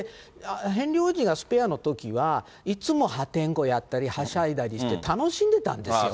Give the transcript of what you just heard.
ヘンリー王子がスペアのときは、いつも破天荒やったり、はしゃいだりして楽しんでたんですよ。